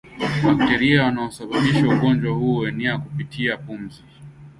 Bakteria wanaosababisha ugonjwa huu huuenea kupitia pumzi